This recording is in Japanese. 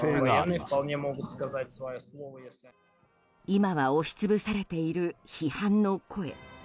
今は押し潰されている批判の声。